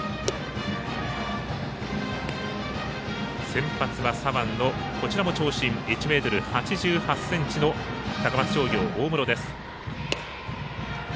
先発は左腕のこちらも長身１ｍ８８ｃｍの高松商業、大室。